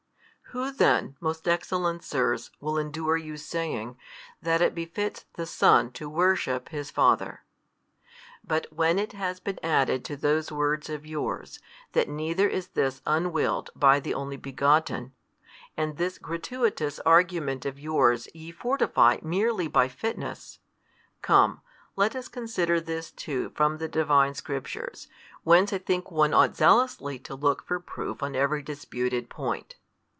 Who then, most excellent sirs, will endure you saying, that it befits the Son to worship His Father? But when it has been added to those words of yours, that neither is this unwilled by the Only Begotten, and this gratuitous argument of yours ye fortify merely by fitness; come, let us consider this too from the Divine Scriptures, whence I think one ought zealously to look for proof on every disputed point.